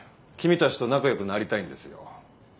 君たちと仲良くなりたいんですよ。